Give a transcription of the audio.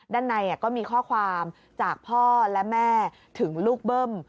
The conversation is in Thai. ด้านในก็มีข้อความจากพ่อและแม่ถึงลูกเบิ้ม